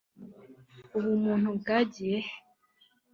ubumuntu bwagiye he